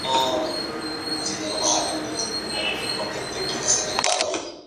Involucra a: los departamentos de Nariño, Cauca y Huila; varias culturas y lugares arqueológicos.